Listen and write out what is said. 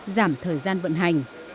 giảm thời gian vận hành